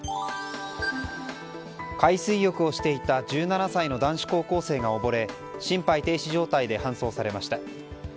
海水浴をしていた１７歳の男子高校生が溺れ心肺停止状態で搬送されました。